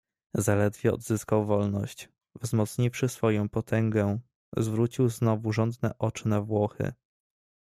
"Zaledwie odzyskał wolność, wzmocniwszy swoję potęgę, zwrócił znowu żądne oczy na Włochy."